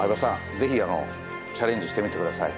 ぜひチャレンジしてみてください。